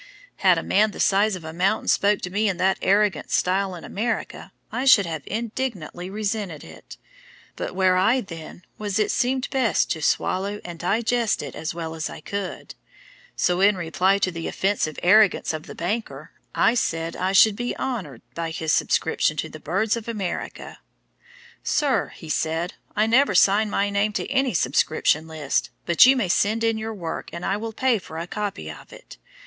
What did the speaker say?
"Had a man the size of a mountain spoken to me in that arrogant style in America, I should have indignantly resented it; but where I then was it seemed best to swallow and digest it as well as I could. So in reply to the offensive arrogance of the banker, I said I should be honoured by his subscription to the "Birds of America." 'Sir,' he said, 'I never sign my name to any subscription list, but you may send in your work and I will pay for a copy of it.